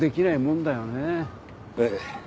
ええ。